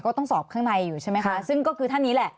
ก็ต้องสอบข้างในอยู่ใช่ไหมคะซึ่งก็คือท่านนี้แหละ